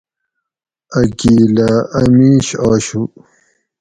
ا گِیلہ ا مِیش آشو